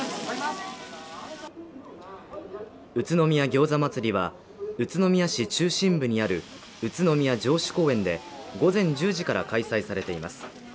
宇都宮餃子祭りは宇都宮市中心部にある宇都宮城址公園で午前１０時から開催されています。